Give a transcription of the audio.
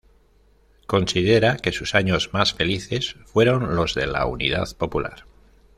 Considera que sus años más felices fueron los de la Unidad Popular.